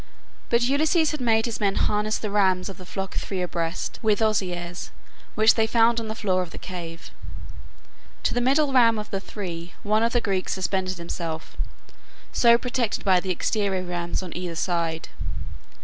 But Ulysses had made his men harness the rams of the flock three abreast, with osiers which they found on the floor of the cave. To the middle ram of the three one of the Greeks suspended himself, so protected by the exterior rams on either side.